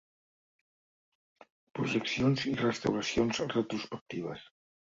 Projeccions i restauracions retrospectives.